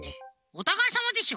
おたがいさまでしょ。